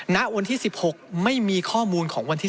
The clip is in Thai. ณวันที่๑๖ไม่มีข้อมูลของวันที่๑